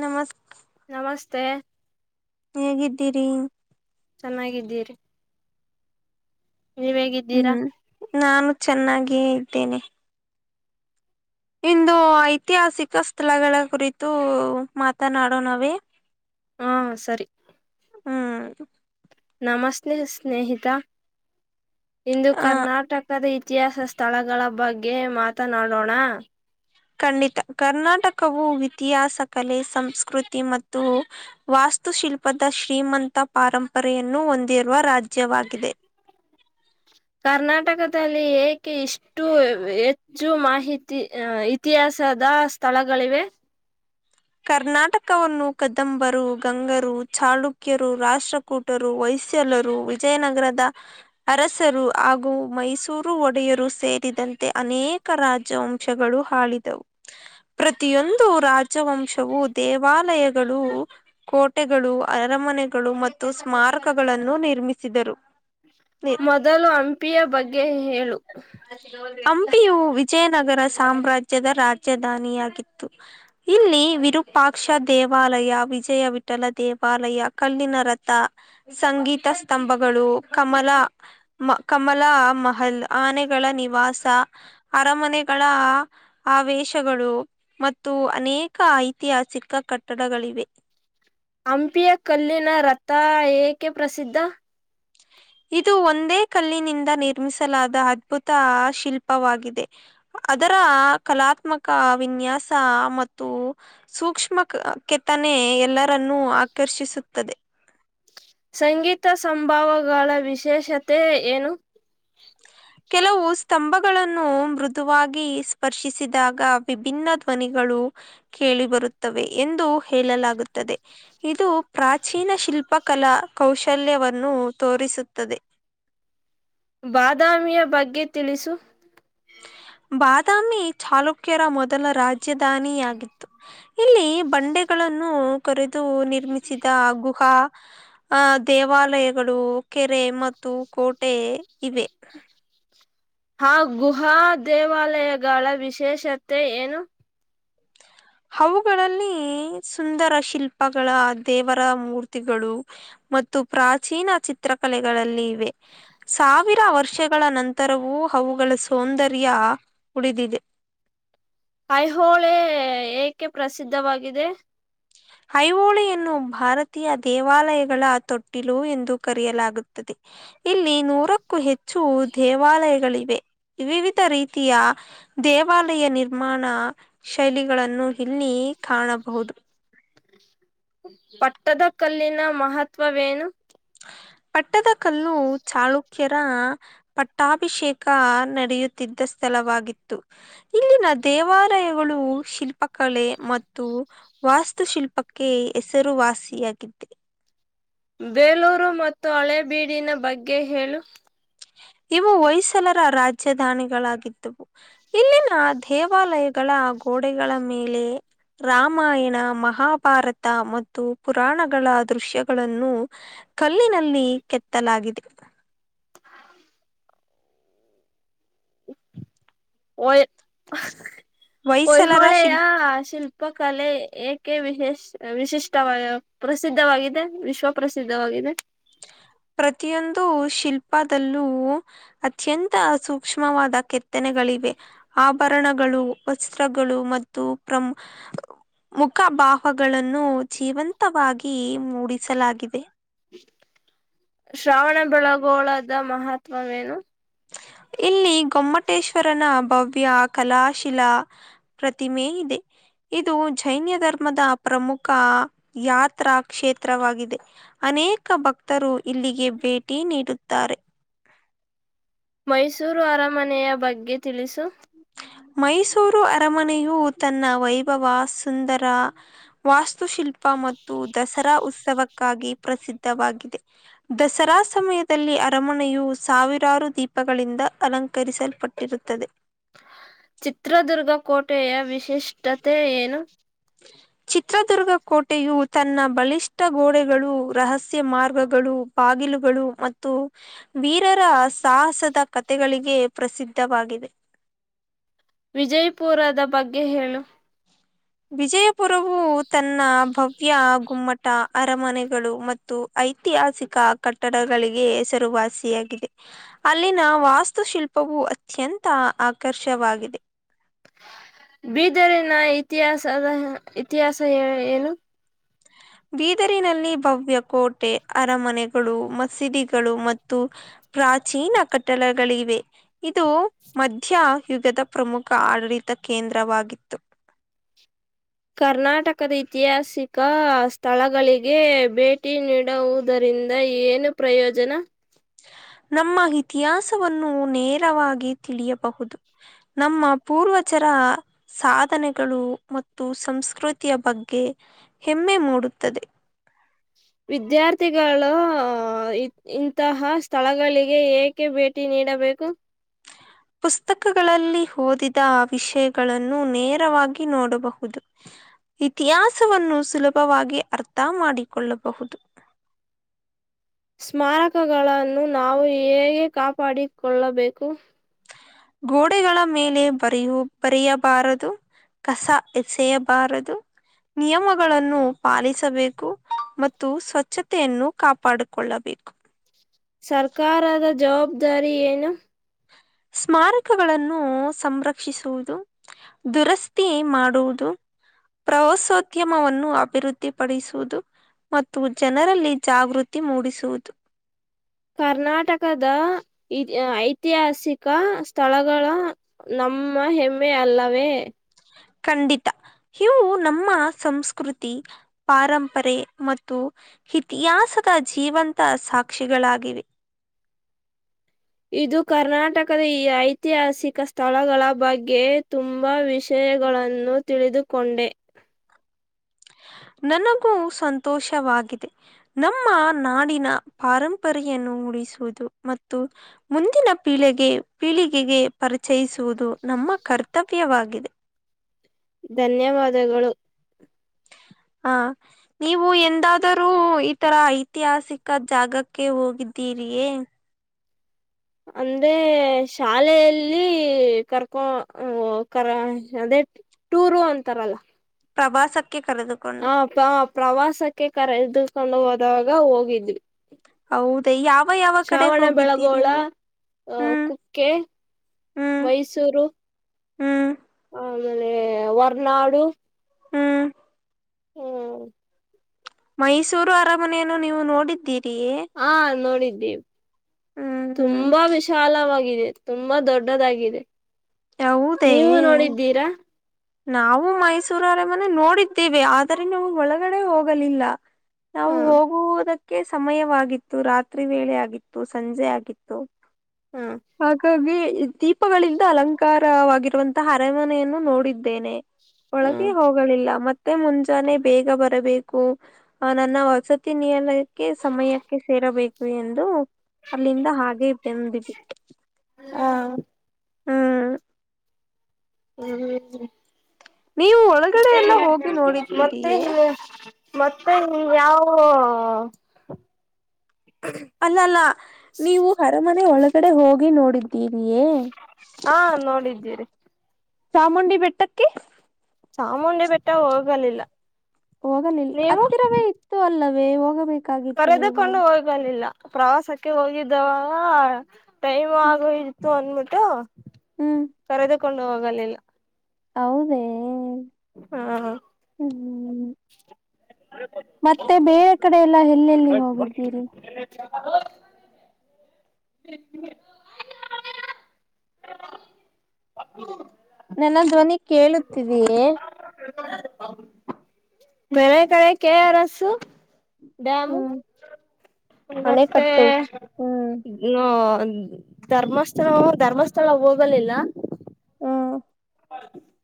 ನಮಸ pay ಹೆಗಿದ್ದೀರಿ ಚೆನ್ನಾಗಿದ್ದೀರಿ ನೀವ್ ಹೇಗಿದ್ದೀರಾ ಹ್ಮ್ ನಾನು ಚೆನ್ನಾಗಿ ಇದ್ದೇನೆ ಇಂದು ಐತಿಹಾಸಿಕ ಸ್ಥಳಗಳ ಕುರಿತು ಮಾತನಾಡೋಣವೇ ಹಾ ಸರಿ ಹ್ಮ್ ನಮಸ್ತೆ ನ ಸ್ನೇಹಿತ ಇಂದು ಆ ಕರ್ನಾಟಕದ ಇತಿಹಾಸ ಸ್ಥಳಗಳ ಬಗ್ಗೆ ಮಾತನಾಡೋಣ ಖಂಡಿತ ಕರ್ನಾಟಕವು ಇತಿಹಾಸ ಕಲೆ ಸಂಸ್ಕೃತಿ ಮತ್ತು ವಾಸ ವಾಸ್ತುಶಿಲ್ಪದ ಶ್ರೀಮಂತ ಪಾರಂಪರೆಯನ್ನು ಹೊಂದಿರುವ ರಾಜ್ಯವಾಗಿದೆ ಸ [inaudible] ಕರ್ನಾಟಕದಲ್ಲಿ ಏಕೆ ಇಷ್ಟು ಹೆಚ್ಚು ಮಾಹಿತಿ ಇತಿಹಾಸ ಸದಾ ಸ್ಥಳಗಳಿವೆ ಕರ್ನಾಟಕವನ್ನು ಕ್ದಂಬರು ಗಂಗರು ಚಾಳುಕ್ಯರು ರಾಷ್ಟ್ರಕೂಟರು ವೈಸ್ ಲರು ವಿಜಯನಗರದ ಅರಸರು ಹಾಗೂ ಮೈಸೂರು ಒಡೆಯರು ಸೇರಿದ ಅಂತೆ ಅನೇಕ ರಾಜವಂಶಗಳು ಆಾಳಿದವು ಪ್ರತಿಯೊಂದು ರಾಜವಂಶ ವು ದೇವಾಲಯಗಳು ಕೋಟೆಗಳು ಅರಮನೆಗಳು ಮತ್ತು ಸ್ಮಾರಕಗಳನ್ನು ನಿರ್ಮಿಸಿದರು ಮೊದಲು ಹಂಪಿಯ ಬಗ್ಗೆ ಹೇಳು ಅ [inaudible] ಹಂಪಿಯು ವಿಜಯನಗರ ಸಾಮ್ರಾಜ್ಯದ ರಾಜಧಾನಿಯಾಗಿತ್ತು ಇಲ್ಲಿ ವಿರು ರುಪಾಕ್ಷ ದೇವಾಲಯ ವಿಜಯ ವಿಠಲ ದೇವಾಲಯ ಕಲ್ಲಿನ ರಥ ಸಂಗೀತ ಸ್ತಂಭಗಳು ಕಮಲ ಕಮಲ ಮಹಲ್ ಆನೆ ನಿವಾಸ ಅರಮನೆಗಳ ಆವೇಶಗಳು ಮತ್ತು ಅನೇಕ ಐತಿಹಾಸಿಕ ಕಟ್ಟಡಗಳಿವೆ ಹಂಪಿಯ ಕಲ್ಲಿನ ರಥ ಏಕೆ ಪ್ರಸಿದ್ಧ ಇದು ಒಂದೇ ಕಲ್ಲಿನಿಂದ ನಿರ್ಮಿಸಲಾದ ಅದ್ಭುತ ಶಿಲ್ಪವಾಗಿದೆ ಅದರ ಕಲಾತ್ಮಕ ವಿನ್ಯಾಸ ಮತ್ತು ಸೂಕ್ಷ್ಮ ಕೆತ್ತನ ನೆ ಎಲ್ಲರನ್ನೂ ಆಕರ್ಷಿಸುತ್ತದೆ ಸಂಗೀತ ಸಂಭವಗಳ ವಿಶೇಷತೆ ಏನು ಕೆಲವು ಸ್ತಂಭಗಳನ್ನು ಮೃದುವಾಗಿ ಸ್ಪರ್ಶಿಸಿದಾಗ ವಿಭಿನ್ನ ಧ್ವನಿಗಳು ಕೇಳಿಬರುತ್ತವೆ ಎಂದು ಹೇಳಲಾಗುತ್ತದೆ ಇದು ಪ್ರಾಚೀನ ಶಿಲ್ಪ ಉಪಕಲಾ ಕೌಶಲ್ಯವನ್ನು ತೋರಿಸುತ್ತದೆ ಬಾದಾಮಿಯ ಬಗ್ಗೆ ತಿಳಿಸು ಬಾದಾಮಿ ಚಾಲುಕ್ಯರ ಮೊದಲ ರಾಜಧಾನಿಯಾಗಿತ್ತು ಇಲ್ಲಿ ಬಂಡೆಗಳನ್ನು ಕರೆದು ನಿರ್ಮಿಸಿದ ಗುಹಾ ಆಹ ದೇವಾಲಯಗಳು ಕೆರೆ ಮತ್ತು ಕೋಟೆ ಇವೆ ಆ ಗುಹಾ ದೇವಾಲಯಗಳ ವಿಶೇಷತೆ ಏನು ಅವುಗಳಲ್ಲಿ ಸುಂದರ ಶಿಲ್ಪಗಳ ದೇವರ ಮೂರ್ತಿಗಳು ಮತ್ತು ಪ್ರಾಚೀನ ಚಿತ್ರಕಲೆಗಳಲ್ಲಿ ಇವೆ ಸಾವಿರ ವರ್ಷಗಳ ನಂತರವೂ ಅವುಗಳ ಸೌಂದರ್ಯ ಉಳಿದಿದೆ ಐಹೋಳೆ ಏಕೆ ಪ್ರಸಿದ್ಧವಾಗಿದೆ ಐಹೋಳಿಯನ್ನು ಭಾರತೀಯ ದೇವಾಲಯಗಳ ತೊಟ್ಟಿಲು ಎಂದು ಕರೆಯಲಾಗುತ್ತದೆ ಇಲ್ಲಿ ನೂರಕ್ಕೂ ಹೆಚ್ಚು ದೇವಾಲಯಗಳೆ ವಿವಿಧ ರೀತಿಯ ದೇವಾಲಯ ನಿರ್ಮಾಣ ಶೈಲಿಗಳನ್ನು ನ್ನ ಕಾಣಬಹುದು [unintelligible] ಪಟ್ಟದಕಲ್ಲಿನ ಮಹತ್ವವೇನು ಪಟ್ಟದಕಲ್ಲು ಚಾಳುಕ್ಯರ ಪಟ್ಟಾಭಿಷೇಕ ನಡೆಯುತ್ತಿದ್ದ ಸ್ಥಳವಾಗಿತ್ತು ಇಲ್ಲಿನ ದೇವಾಲಯಗಳು ಶಿಲ್ಪಕಲೆ ಮತ್ತು ವಾಸ್ತುಶಿಲ್ಪಕ್ಕೆ ಹೆಸರುವಾಸಿಯಾಗಿದ್ದೆ ಬೇಲೂರು ಮತ್ತು ಹಳೇಬೀಡಿನ ಬಗ್ಗೆ ಹೇಳು ಇವು ಹೊಯ್ಸಲರ ರಾಜಧಾನಿಗಳಾಗಿದ್ದವು ಇಲ್ಲಿನ ದೇವಾಲಯಗಳು ಗಳ ಗೋಡೆಗಳ ಮೇಲೆ ರಾಮಾಯಣ ಮಹಾಭಾರತ ಮತ್ತು ಪುರಾಣ ಗಳ ದೃಶ್ಯಗಳನ್ನು ಕಲ್ಲಿನಲ್ಲಿ ಕೆತ್ತಲಾಗಿದೆ ಒ [inaudible] ಹೊಯ್ಸಲರ ಹೊಹಿಹೊಳೆಯ ಶಿಲ್ ಶಿಲ್ಪಕಲೆ ಏಕೆ ವಿಶ್ ವಿಶೇಷ ವಿಶಿಷ್ಟವ ಪ್ರಸಿದ್ಧವಾಗಿದೆ ವಿಶ್ವ ಪ್ರ್ರಸಿದ್ಧವಾಗಿದೆ ಪ್ರತಿಯೊಂದು ಶಿಲ್ಪದಲ್ಲೂ ಅತ್ಯಂತ ಸೂಕ್ಷ್ಮವಾದ ಕೆತ್ತನೆ ಗಳಿವೆ ಆಭರಣಗಳು ವಸ್ತ್ರಗಳು ಮತ್ತು ಪ್ರ ಮುಖಭಾಹಗಳನ್ನು ಜೀವಂತವಾಗಿ ಮೂಡಿಸಲಾಗಿದೆ ಶ್ರಾವಣಬಳಗೋಳದ ಮಹತ್ವವೇನು ಇಲ್ಲಿ ಗೊಮ್ಮಟ್ಟ ವಟೇಶ್ವರನ ಭವ್ಯ ಕಲಾಶಿಲ ಪ್ರತಿಮೆ ಇದೆ ಇದು ಜೈನ್ ಅನ್ ಧರ್ಮದ ಪ್ರಮುಖ ಯಾತ್ರಾ ಕ್ಷೇತ್ರವಾಗಿದೆ ಅನೇಕ ಭಕ್ತರು ರು ಇಲ್ಲಿಗೆ ಭೇಟಿ ನೀಡುತ್ತಾರೆ ಮೈಸೂರು ಅರಮನೆಯ ಬಗ್ಗೆ ತಿಳಿಸು ಮೈಸೂರು ಅರಮನೆಯು ತನ್ನ ವೈಭವ ಸುಂದರ ವಾಸ್ತು ವಾಸ್ತುಶಿಲ್ಪ ಮತ್ತು ದಸರಾ ಉತ್ಸವ ಕಾಗಿ ಪ್ರಸಿದ್ಧವಾಗಿದೆ ದಸರಾ ಸಮಯದಲ್ಲಿ ಅರಮನೆಯು ಸಾವಿರಾರು ದೀಪ ದಪಗಳಿಂದ ಅಲಂಕರಿಸಲ್ಪಟ್ಟಿರುತ್ತದೆ ಚಿತ್ರದುರ್ಗ ಕೋಟೆಯ ವಿಶಿಷ್ಟತೆ ಏನು ಚಿತ್ರದುರ್ಗ ಕೋಟೆಯು ತನ್ನ ಬಲಿಷ್ಠ ಗೋಡೆಗಳು ರಹಸ್ಯ ಮಾರ್ಗಗಳು ಬಾಗಿಲುಗಳು ಮತ್ತು ವೀರರ ಸಾಹಸದ ಕತೆಗಳಿಗೆ ಪ್ರಸಿದ್ಧವ ಹ [inaudible] ವಿಜಯಪುರದ ಬಗ್ಗೆ ಹೇಳು ವಿಜಯಪುರವು ತನ್ನ ಭ ದವ್ಯ ಗುಮ್ಮಟ ಅರಮನೆಗಳು ಮತ್ತು ಐತಿಹಾಸಿಕ ಕಟ್ಟಡಗಳಿಗೆ ಹೆಸರು ವಾಸಿಯಾಗಿದೆ ಅಲ್ಲಿನ ವಾಸ್ತುಶಿಲ್ಪವು ಅತ್ಯಂತ ಆಕರ್ಷವಾಗಿದೆ [inaudible] ಬೀದರಿನ ಇತಿಹಾಸದ ಇತಿಹಾಸ ಏನು [inaudible] ಹ [inaudible] ಬೀದರಿನಲ್ಲಿ ಭವ್ಯ ಕೋಟೆ ಅರಮನೆಗಳು ಮಸೀದಿಗಳು ಮತ್ತು ಪ್ರಾಚೀನ ಕಟ್ಟಡಗಳಿವೆ ಇದು ಮಧ್ಯ ಯುಗದ ಪ್ರಮುಖ ಆಡಳಿತಕ್ಕೆ ಕೇಂದ್ರವಾಗಿತ್ತು [inaudible] ಕರ್ನಾಟಕದ ಐತಿಹಾಸಿಕ ಸ್ಥಳಗಳಿಗೆ ಭೇಟಿ ನೀಡುವುದರಿ ಇಂದ ಏನು ಪ್ರಯೋಜನ ನಮ್ಮ ಇತಿಹಾಸವನ್ನು ನೇರವಾಗಿ ತಿಳಿಯಬಹುದು ನಮ್ಮ ಪೂರ್ವ ಚರ ಸಾಧನೆಗಳು ಮತ್ತು ಸಂಸ್ಕೃತಿಯ ಬಗ್ಗೆ ಹೆಮ್ಮೆ ಮೂ ಕೊಡುತ್ತದೆ ವಿದ್ಯಾರ್ಥಿಗಳು ಇಂತಹ ಸ್ಥಳಗಳಿಗೆ ಏಕೆ ಭೇಟಿ ನೀ ನೀಡಬೇಕು ಪುಸ್ತಕಗಳಲ್ಲಿ ಓದಿದ ವಿಷಯಗಳನ್ನು ನೇರವಾಗಿ ನೋಡಬಹುದು ಇತಿಹಾಸವನ್ನು ಸುಲಭವಾಗಿ ಅರ್ಥ ಮಾಡಿಕೊಳ್ಳಬಹುದು [inaudible] ಸ್ಮಾರಕಗಳನ್ನು ನಾವು ಹೇಗೆ ಕಾಪಾಡಿಕೊಳ್ಳಬೇಕು ಗೋಡೆಗಳ ಮೇಲೆ ಬರೆಯು ಬರೆಯಬಾರದು ಕಸ ಎಸೆಯಬಾರದು ನಿಯಮಗಳನ್ನು ಪಾಲಿಸಬೇಕು ಮತ್ತು ಸ್ವಚ್ಛತೆಯನ್ನು ಕಾಪಾಡಿಕೊಳ್ಳಬೇಕು ಸರ್ಕಾರದ ಜವಾಬ್ದಾರಿ ಏನು ಸ್ಮಾರಕಗಳನ್ನು ಸಂರಕ್ಷಿಸುವುದು ದುರಸ್ತಿ ಮಾಡುವುದು ಪ್ರವಾಸೋದ್ಯಮವನ್ನು ಅಭಿವೃದ್ಧಿಪಡಿಸುವುದು ಮತ್ತು ಜನರಲ್ಲಿ ಜಾಗೃತಿ ಮೂಡಿಸುವುದು ಕರ್ನಾಟಕದ ಐತಿಹಾಸಿಕ ಸ್ಥಳಗಳ ನ ಅಮ್ಮ ಹೆಮ್ಮೆ ಅಲ್ಲವೇ ಖಂಡಿತ ಇವು ನಮ್ಮ ಸಂಸ್ಕೃತಿ ಪಾರಂಪರೆ ಮತ್ತು ಇತಿಹಾಸ ದ ಜೀವಂತ ಸಾಕ್ಷಿಗಳಾಗಿವೆ ಇದು ಕರ್ನಾಟಕದ ಈ ಐತಿಹಾಸಿಕ ಸ್ಥಳಗಳ ಬಗ್ಗೆ ತುಂಬಾ ವಿಶೇಷ ಗಳನ್ನು ತಿಳಿದುಕೊಂಡೆ [inaudible] ಹ ನನಗೂ ಸಂತೋಷವಾಗಿದೆ ನಮ್ಮ ನಾಡಿನ ಪಾರಂಪರೆಯ ನು ಬಿಡುವುದು ಮತ್ತು ಮುಂದಿನ ಪೀಳಿಗೆ ಪೀಳಿಗೆಗೆ ಪರಿಚಯಿಸುವುದು ನಮ್ಮ ನಮ್ಮಕರ್ತವ್ಯವಾಗಿದೆ ಧನ್ಯವಾದಗಳು [inaudible] ಹಾ ನೀವು ಎಂದಾದರೂ ಈ ತರ ಐತಿಹಾಸಿಕ ಜಾಗಕ್ಕೆ ಹೋಗಿದ್ದೀ ಇರಿಯಿಯೇ ಅಂದ್ರೆ ಶಾಲೆಯಲ್ಲಿ ಕರ್ಕೋ ಅದೇ ಟೂರು ಅಂತಾರಲ್ಲ ಪ್ರವಾಸ ಆ ಪ್ರ ಪ್ರವಾಸಕ್ಕೆ ಕರೆ ಎದಕೊಂಡು ಹೋದಾಗ ಹೋಗಿದ್ವಿ ಹೌದೇ? ಯಾವ ಯಾವ ಕಡೆ ಶ್ರಾವಣ ಹೋಗಿದ್ದೀರಿ ಬೆಳಗೋಳ ನೀವು? ಅ ಹ್ಮ್, ಕುಕ್ಕೆ ಹ್ಮ್, ಮೈಸೂರು ಹ್ಮ್, ಆಮೇಲೆ ಹೊರ್ನಾಡು ಹ್ಮ್ ಹ್ಮ್ ಮೈಸೂರು ಅರಮನೆಯನು ನೀವು ನೋಡಿದ್ದೀರಿ ಹಾ ನೋಡಿ ಹ್ಮ್, ತುಂಬಾ ವಿಶಾಲವಾಗಿದೆ ತುಂಬಾ ದೊಡ್ಡದಾಗಿದೆ ನೀವು ಹೌದೇ? ನೋಡಿದ್ದೀರಾ ನಾವು ಮೈಸೂರರ ಮನೆ ನೋಡಿದ್ದೇವೆ ಆದರೆ ನೀವು ಒಳಗಡೆ ಹೋಗಲಿಲ್ಲ ನಾವು ಹಾ ಹೋಗುವದಕ್ಕೆ ಕಕೆ ಸಮಯವಾಗಿತ್ತು ರಾತ್ರಿ ವೇಳೆ ಆಗಿತ್ತು ಸಂಜೆ ಆಗಿತ್ತು ಹಾ ಹಾಗಾಗಿ ದೀಪಗಳಿಂದ ಅಲಂಕಾರವಾಗಿರುವಂತಹ ಅರೆಮನೆಯನ್ನು ನೋಡಿದ್ದೇನೆ ಹಾ ಒಳಗೆ ಹೋಗಲಿಲ್ಲ ಮತ್ತೆ ಮತ್ತೆ ಮುಂಜಾನೆ ಬೇಗ ಬರಬೇಕು ಆ ನನ್ನ ವಸತಿನಿಯಲ್ಲ ಕೆ ಸಮಯಕ್ಕೆ ಸೇರಬೇಕು ಎಂದು ಅಲ್ಲಿಂದ ಹಾಗೆ ತೆಂದಿದು ಹಾ ಹ್ಮ್ ಹ್ಮ್ ನೀವು ಒಳಗಡೆ ಎಲ್ಲ ಹೋಗಿ ಮತ್ತೆ ನೋಡಿದ್ದೀರಿಯೇ ಮತ್ತೆ ನೀವ್ ಯಾವ ಅಲ್ಲ ಅಲ್ಲ ನೀವು ಅರಮನೆ ಒಳಗಡೆ ಹೋಗಿ ನೋಡಿದ್ದೀ ಯೇ ಹಾ ನೋಡಿದ್ದೀರಿ ಚಾಮುಂಡಿ ಬೆಟ್ಟಕ್ಕೆ ಚಾಮುಂಡಿ ಬೆಟ್ಟ ಹೋಗಲಿಲ್ಲ ಹೋಗಲಿಲ್ಲ ನೀವು ಹತ್ತಿರವೇ ಇತ್ತು ಅಲ್ಲವೇ ಹೋಗ ಕರೆದುಕೊಂಡು ಹೋಗಲಿಲ್ಲ ಪ್ರವಾಸಕ್ಕೆ ಹೋಗಿದ್ದವಾಗ ಟೈಮ್ ಹ್ಮ್ ಆಗ ಇತ್ತು ಅನ್ಬಿಟ್ಟು ಹ್ಮ್ ಕರೆದುಕೊಂಡು ಹೋಗಲಿಲ್ಲ ಹೌದೇ ಹಾ ಹ್ಮ ಮತ್ತೆ ಬೇರೆ ಕಡೆ ಎಲ್ಲ ಎಲ್ಲೆಲ್ಲಿ ಹೋಗಿದ್ದೀರಿ ಹ [inaudible] ನನ್ನ ಧ್ವನಿ ಕೇಳುತ್ತಿದಯೇ ಬೆರೆ ಕಡೆ ಕೆ ಅರ್ ಎ ಸು ಡ್ಯಾಮು ಹ್ಮ್ ಮತ್ತೆ ಅಣೆಕಟ್ಟು ಹ್ಮ್ ಧರ್ಮಸ್ಥಳ ಧರ್ಮಸ್ಥಳ ಹೋಗಲಿಲ್ಲ ಹ್ಮ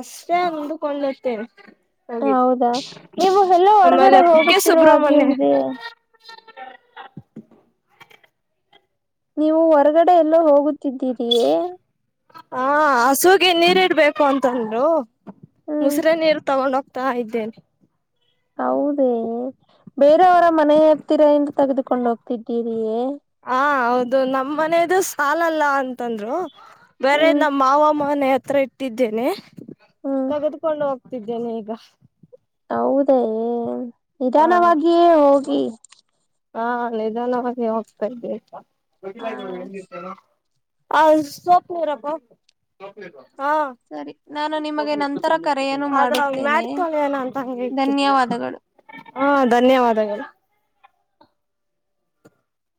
ಅಷ್ಟೇ ಉಂದುಕೊಂಡುತ್ತೇನೆ ಹಾಗ ಹೌದಾ ನೀವು ಎಲ್ಲೋ ಹೊರಗಡೆ ಆಮ್ಮಲೆ ಕುಕ್ಕೆ ಹೋಗುತ್ತಿರೋ ಹಾಗೆ ಸುಬ್ರ್ಮಣ್ಯ ಇದೆ ನೀವು ಹೊರಗಡೆ ಎಲ್ಲೋ ಹೋಗುತ್ತಿದ್ದೀರಿಯೇ ಹಾ ಹಸೂಗೆ ನೀರ ಇಡ್ಬೇಕು ಅಂತಂದರು ಹ್ಮ್ ಮುಸರಿನಿರು ತಗೊಂಡ ಹೋಗ್ತಾ ಇದ್ದೇನೆ ಹೌದೇ ಬೇರೆಯವರ ಮನೆ ಹತ್ತಿರ ಹೇಂಗ ತೆಗೆದುಕೊಂಡು ಹೋಗ್ತಿದ್ದೀರಿಯೇ ಹ ಹೌದು ನಮ್ ಮನೇದು ಸಾಲಲ್ಲ ಅಂತಂದ್ರು ಬೇರೆ ಹ್ಮ್ ನಮ್ಮ ಮಾವಮ್ಮ ಮನೆ ಹತ್ರ ಇಟ್ಟಿದ್ದೇನೆ ಹ್ಮ್ ತೆಗೆದುಕೊಂಡು ಹೋಗ್ತಿದ್ದೇನೆ ಈಗ ಹೌದೇ ಹ ನಿಧಾನವಾಗಿ ಹೋಗಿ ಹಾ ನಿದಾನವಾಗಿ ಹೋಗ್ತಾ ಇದ್ದೆ ಹಾ ಹ ಸೊಪ್ ನೀರಪ್ಪ ಹಾ ಸರಿ ನಾನು ನಿಮಗೆ ನಂತರ ಕರೆಯನ್ನು ಆದ ಮಾಡುತ್ತೇನೆ ಮಾಟ್ ತಗೋ ಅಂತ ಹ ಹತ ಧನ್ಯವಾದಗಳು [unintelligible] ಹಾ ಧನ್ಯವಾದಗಳು